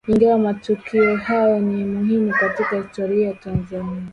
Ingawa matukio haya ni muhimu katika historia ya Tanzania